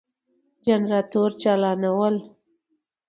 جنراتور چالانول ،